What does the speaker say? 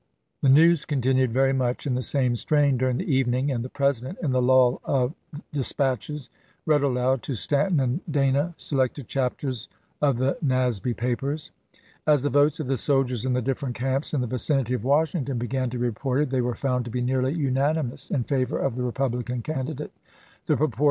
The news continued very much in the same strain during the evening, and the President, in the lull of dispatches, read aloud to Stanton and Dana selected chapters of the Nasby papers.2 As the votes of the soldiers in the different camps in the vicinity of Washington began to be reported they were found to be nearly unanimous in favor of the Republican candidate, the proportion among West 1 Attended by one of Ms secre Sun," Charles A.